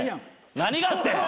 何があってん！？